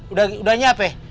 udah udah nyap eh